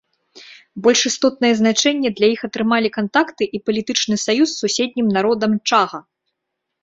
Больш істотнае значэнне для іх атрымалі кантакты і палітычны саюз з суседнім народам чага.